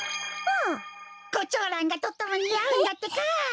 コチョウランがとってもにあうんだってか！